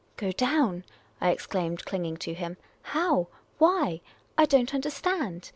"Go down?" I exclaimed, clinging to him. "How? Why ? I don't understand.